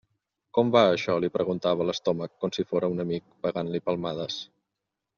Com va això? –li preguntava a l'estómac, com si fóra un amic, pegant-li palmades.